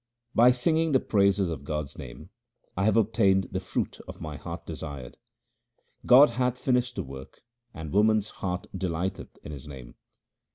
By singing the praises of God's name I have obtained the fruit my heart desired. God hath finished the work, and woman's heart delighteth in His name.